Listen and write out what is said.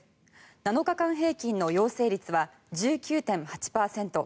７日間平均の陽性率は１９．８％。